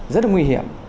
rất là nguy hiểm